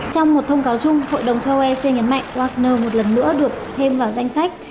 trong một thông cáo chung hội đồng châu âu ec nhấn mạnh wagner một lần nữa được thêm vào danh sách